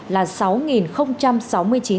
là số mắc ghi nhận ngoài cộng đồng